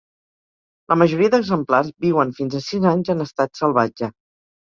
La majoria d'exemplars viuen fins a sis anys en estat salvatge.